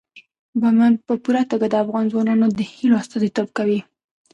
بامیان په پوره توګه د افغان ځوانانو د هیلو استازیتوب کوي.